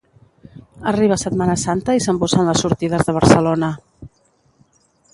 Arriba setmana santa i s'embussen les sortides de Barcelona